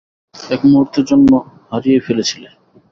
এক মুহূর্তের জন্য হারিয়েই ফেলেছিলে!